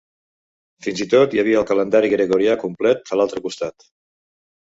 Fins i tot hi havia el calendari gregorià complet a l'altre costat.